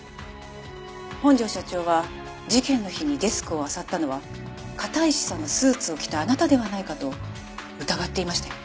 本庄社長は事件の日にデスクをあさったのは片石さんのスーツを着たあなたではないかと疑っていましたよ。